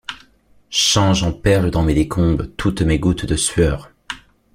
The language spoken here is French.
Change en perles dans mes décombres Toutes mes gouttes de sueur!